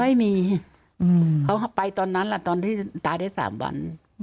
ไม่มีเขาไปตอนนั้นแหละตอนที่ตายได้๓วัน